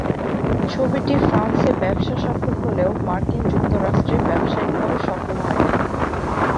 ছবিটি ফ্রান্সে ব্যবসাসফল হলেও মার্কিন যুক্তরাষ্ট্রে ব্যবসায়িকভাবে সফল হয়নি।